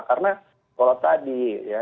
karena kalau tadi ya